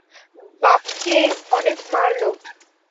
বাবকে অনেক মারলো।